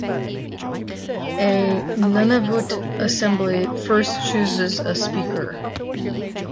A Nunavut Assembly first chooses a Speaker.